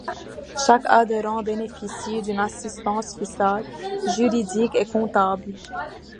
Chaque adhérent bénéficie d’une assistance fiscale, juridique et comptable.